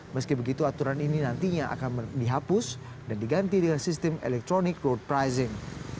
meski begitu aturan ini nantinya akan dihapus dan diganti dengan sistem electronic road pricing